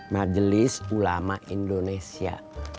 majelis ulama indonesia